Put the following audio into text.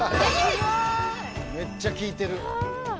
めっちゃ効いてる。